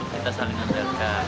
kita saling menjaga